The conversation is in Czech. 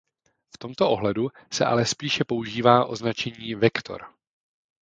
V tomto ohledu se ale spíše používá označení vektor.